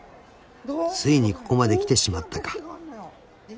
［ついにここまできてしまったか］